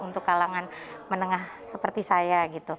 untuk kalangan menengah seperti saya